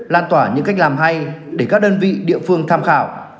lan tỏa những cách làm hay để các đơn vị địa phương tham khảo